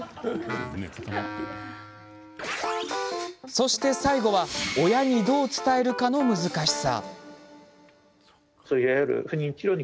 そして最後は親にどう伝えるかの難しさ。